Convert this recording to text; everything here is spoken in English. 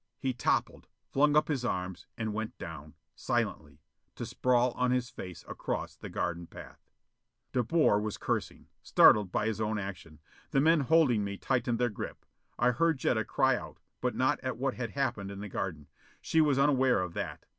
He toppled, flung up his arms, and went down, silently, to sprawl on his face across the garden path. De Boer was cursing, startled at his own action. The men holding me tightened their grip. I heard Jetta cry out, but not at what had happened in the garden: she was unaware of that.